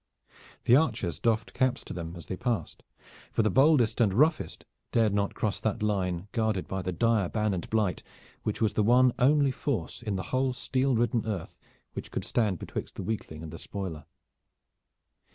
The archers doffed caps to them as they passed, for the boldest and roughest dared not cross that line guarded by the dire ban and blight which was the one only force in the whole steel ridden earth which could stand betwixt the weakling and the spoiler.